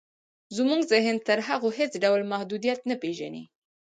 زموږ ذهن تر هغو هېڅ ډول محدودیت نه پېژني